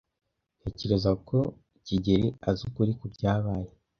Ntekereza ko kigeli azi ukuri kubyabaye.